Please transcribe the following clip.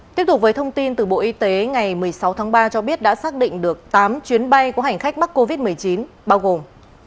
tiếp tục với thông tin từ bộ y tế ngày một mươi sáu tháng ba cho biết đã xác định được tám chuyến bay của hành khách mắc covid một mươi chín bao gồm